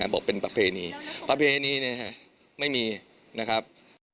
บอกเป็นประเภทนี้ประเภทนี้ไม่มีนะครับ